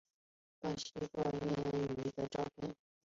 巴西豹蟾鱼的图片